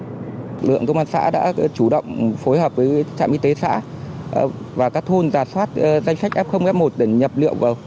lực lượng công an xã đã chủ động phối hợp với trạm y tế xã và các thôn giả soát danh sách f f một để nhập liệu vào